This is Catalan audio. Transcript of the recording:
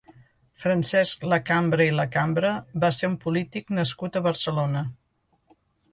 Francesc Lacambra i Lacambra va ser un polític nascut a Barcelona.